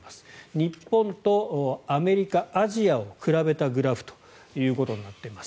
日本とアメリカ、アジアを比べたグラフということになっています。